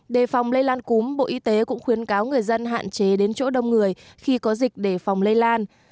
đề phòng lây lan cúm bộ y tế cũng khuyến cáo người dân hạn chế đến chỗ đông người khi có dịch để phòng lây lan